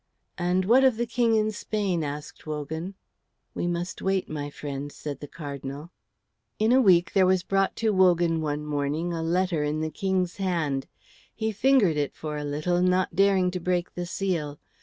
"And what of the King in Spain?" asked Wogan. "We must wait, my friend," said the Cardinal. In a week there was brought to Wogan one morning a letter in the King's hand. He fingered it for a little, not daring to break the seal.